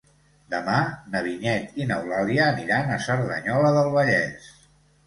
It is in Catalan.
Demà na Vinyet i n'Eulàlia aniran a Cerdanyola del Vallès.